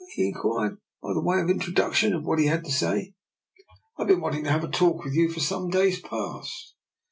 he inquired, by way of intro duction to what he had to say. " I've been wanting to have a talk with you for some days past."